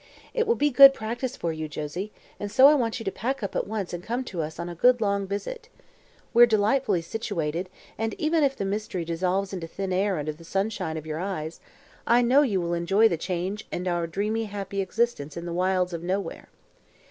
It will be good practice for you, Josie, and so I want you to pack up at once and come to us on a good long visit. We're delightfully situated and, even if the mystery dissolves into thin air under the sunshine of your eyes, I know you will enjoy the change and our dreamy, happy existence in the wilds of nowhere.